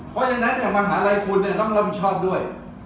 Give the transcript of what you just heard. เพราะฉะนั้นมหาลัยคุณต้องรับผิดชอบด้วย